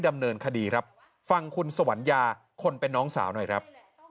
ดำเนินคดีครับฟังคุณสวัญญาคนเป็นน้องสาวหน่อยครับ